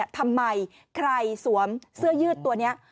ทำไมใครสวมเสื้อยืดตัวนี้